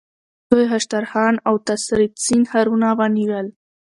دوی هشترخان او تساریتسین ښارونه ونیول.